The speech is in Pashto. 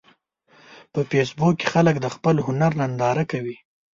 په فېسبوک کې خلک د خپل هنر ننداره کوي